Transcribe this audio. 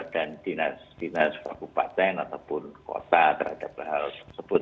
dan dinas dinas kabupaten ataupun kota terhadap hal tersebut